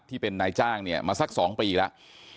ที่เป็นนายจ้างเนี่ยมาสัก๒ปีแล้ว